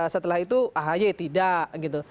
setelah itu ahy tidak gitu